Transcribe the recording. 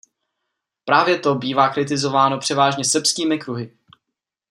Právě to bývá kritizováno převážně srbskými kruhy.